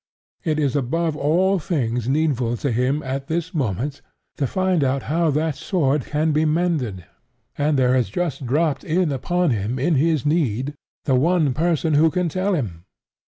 It is above all things needful to him at this moment to find out how that sword can be mended; and there has just dropped in upon him in his need the one person who can tell him.